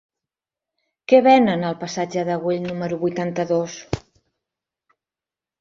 Què venen al passatge de Güell número vuitanta-dos?